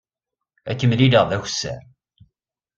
Ad k-mlileɣ d akessar.